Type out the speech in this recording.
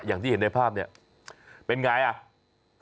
อย่างที่เห็นในภาพเนี่ยเป็นอย่างไร